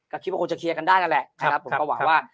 ก็คิดว่าคงจะเคลียร์กันได้นั่นแหละนะครับผมก็หวังว่า